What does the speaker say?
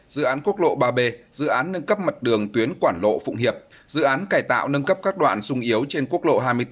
dự án quốc lộ ba b dự án nâng cấp mật đường tuyến quảng lộ phụng hiệp dự án cải tạo nâng cấp các đoạn sung yếu trên quốc lộ hai mươi bốn